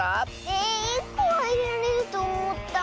え１こはいれられるとおもった。